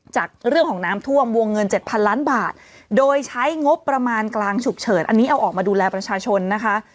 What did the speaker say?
จากเรื่องของน้ำท่วมวงเงินเจ็ดพันล้านบาทโดยใช้งบประมาณกลางฉุกเฉินอันนี้เอาออกมาดูแลประชาชนนะคะ